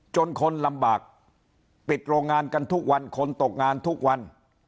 คนลำบากปิดโรงงานกันทุกวันคนตกงานทุกวัน